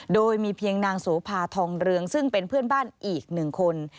โดยมีเพียงนางโสภาทองเรืองซึ่งเป็นเพื่อนบ้านอีกหนึ่งคน